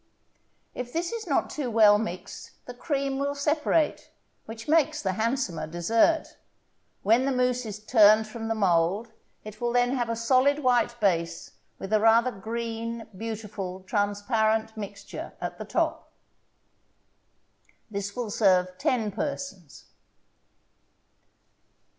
If this is not too well mixed the cream will separate, which makes the handsomer dessert. When the mousse is turned from the mold it will then have a solid white base with a rather green, beautiful transparent mixture at the top. This will serve ten persons.